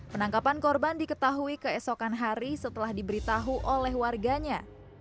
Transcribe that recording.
penangkapan korban diketahui keesokan hari setelah diberitahu oleh warganya